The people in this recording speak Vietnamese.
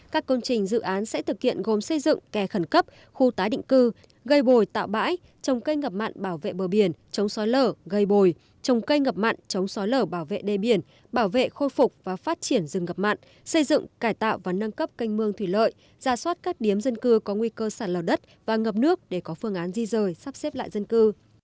các công trình dự án sẽ thực hiện gồm xây dựng kè khẩn cấp khu tái định cư gây bồi tạo bãi trồng cây ngập mặn bảo vệ bờ biển chống sói lở gây bồi trồng cây ngập mặn chống sói lở bảo vệ đê biển bảo vệ khôi phục và phát triển rừng ngập mặn xây dựng cải tạo và nâng cấp canh mương thủy lợi ra soát các điểm dân cư có nguy cơ sản lò đất và ngập nước để có phương án di rời sắp xếp lại dân cư